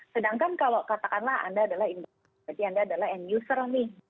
sedangkan kalau katakanlah anda adalah end user nih